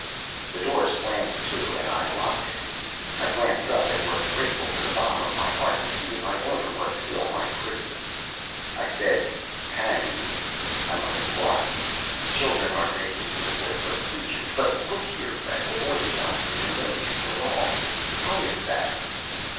The door slammed to, and I locked it. I glanced up and was grateful, to the bottom of my heart, to see that my owner was still my prisoner. I said: "Hang you, I might have lost you! Children are the heedlessest creatures. But look here, friend, the boy did not seem to notice you at all; how is that?"